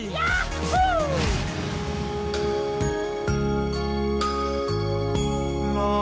ยาฮู้